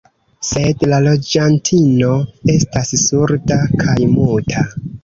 Sed la loĝantino estas surda kaj muta.